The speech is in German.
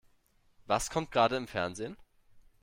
Was kommt gerade im Fernsehen?